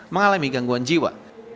mengalami gangguan jiwa